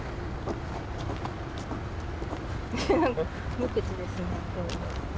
無口ですね今日。